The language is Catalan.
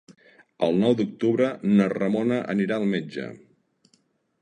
El nou d'octubre na Ramona anirà al metge.